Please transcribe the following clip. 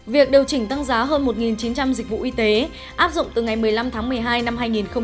việc điều chỉnh tăng giá hơn một chín trăm linh dịch vụ y tế áp dụng từ ngày một mươi năm tháng một mươi hai năm hai nghìn một mươi chín